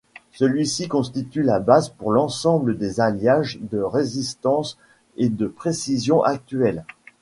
Celui-ci constitue la base pour l'ensemble des alliages de résistance et de précision actuels.